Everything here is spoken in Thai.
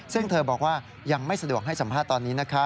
ซึ่งเธอบอกว่ายังไม่สะดวกให้สัมภาษณ์ตอนนี้นะคะ